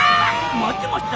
待ってました！